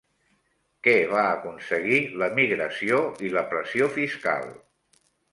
Què va aconseguir l'emigració i la pressió fiscal?